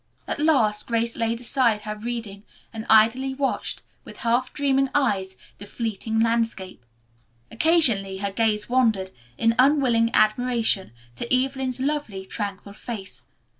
At last Grace laid aside her reading, and idly watched, with half dreaming eyes, the fleeting landscape. Occasionally her gaze wandered, in unwilling admiration, to Evelyn's lovely, tranquil face.